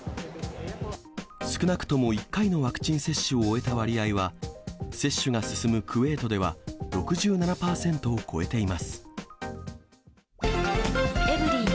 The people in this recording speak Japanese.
少なくとも１回のワクチン接種を終えた割合は、接種が進むクウェートでは６７％を超えています。